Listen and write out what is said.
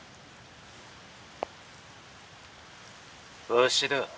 「わしだ。